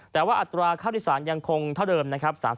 แต่ว่าอัตราค่าโดยสารยังคงเท่าเดิมนะครับ